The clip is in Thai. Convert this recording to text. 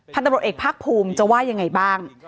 ตำรวจเอกภาคภูมิจะว่ายังไงบ้าง